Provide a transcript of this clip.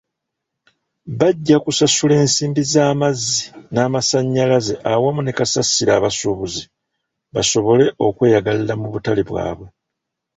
Bajja kusasula ensimbi z'amazzi n'amasannyalaze awamu ne Kasasiro abasuubuzi, basobole okweyagalira mu butale bwabwe.